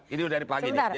ini dari pagi nih